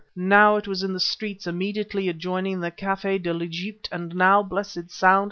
Now it was in the streets immediately adjoining the Café de l'Egypte ... and now, blessed sound!